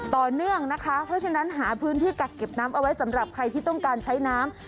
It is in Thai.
ต่อเนื่องนะคะเพราะฉะนั้นหาพื้นที่กักเก็บน้ำเอาไว้สำหรับใครที่ต้องการใช้น้ำ